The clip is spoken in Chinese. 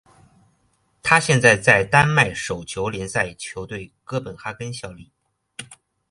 他现在在丹麦手球联赛球队哥本哈根效力。